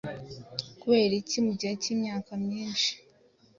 Kubera iki? Mu gihe cy’imyaka myinshi,